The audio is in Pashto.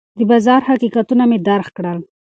د بازار حقیقتونه مې درک کړل.